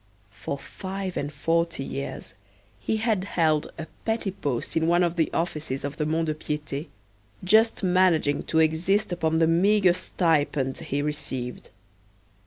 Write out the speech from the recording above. For five and forty years he had held a petty post in one of the offices of the Mont de Piete, just managing to exist upon the meagre stipend he received.